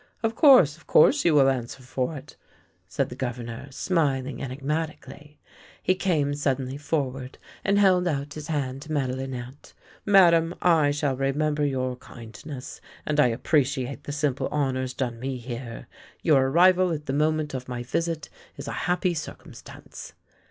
" Of course, of course, you will answer for it," said the Governor, smiling enigmatically. He came sud denly forward and held out his hand to Madelinette. " Madame, I shall remember your kindness, and I appreciate the simple honours done me here. Your arrival at the moment of my visit is a happy circum stance."